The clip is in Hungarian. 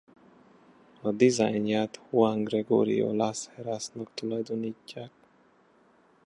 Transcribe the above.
A dizájnját Juan Gregorio Las Heras-nak tulajdonítják.